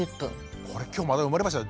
これ今日また生まれましたよ